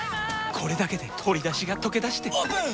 これだけで鶏だしがとけだしてオープン！